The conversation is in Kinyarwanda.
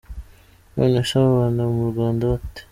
Nonese babana mu Rwanda bate” ?